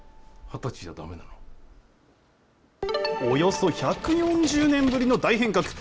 およそ１４０年ぶりの大変革。